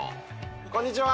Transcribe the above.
こんにちは